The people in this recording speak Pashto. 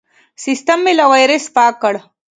سیستم مې له وایرس پاک کړ.